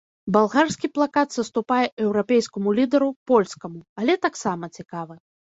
Балгарскі плакат саступае еўрапейскаму лідару, польскаму, але таксама цікавы.